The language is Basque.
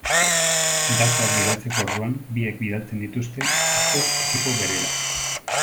Datuak bidaltzeko orduan biek bidaltzen dituzte ustez ekipo berera.